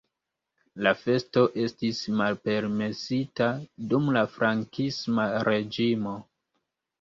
La festo estis malpermesita dum la Frankisma reĝimo.